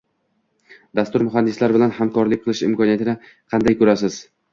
Dastur muhandislari bilan hamkorlik qilish imkoniyatini qanday koʻrasiz?